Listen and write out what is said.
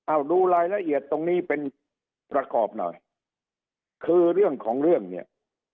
เอาดูรายละเอียดตรงนี้เป็นประกอบหน่อยคือเรื่องของเรื่องเนี่ย